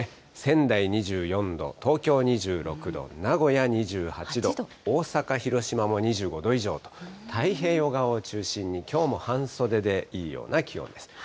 仙台２４度、東京２６度、名古屋２８度、大阪、広島も２５度以上と、太平洋側を中心にきょうも半袖でいいような気温です。